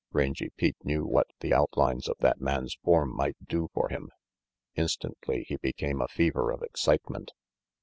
Rangy Pete knew what the outlines of that man's form might do for him. Instantly he became a fever of excitement.